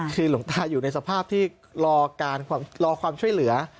คือหลวงตาอยู่ในสภาพที่รอความช่วยเหลือ